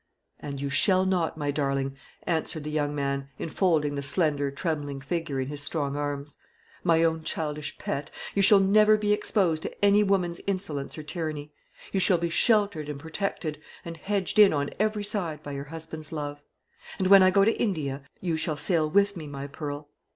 "And you shall not, my darling," answered the young man, enfolding the slender, trembling figure in his strong arms. "My own childish pet, you shall never be exposed to any woman's insolence or tyranny. You shall be sheltered and protected, and hedged in on every side by your husband's love. And when I go to India, you shall sail with me, my pearl.